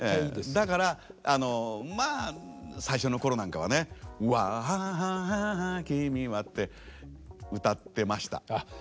だからまあ最初の頃なんかはね「わああ君は」って歌ってました。